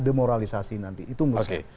demoralisasi nanti itu mesti